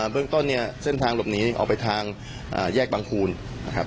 เบื้องต้นเนี่ยเส้นทางหลบหนีออกไปทางแยกบังคูณนะครับ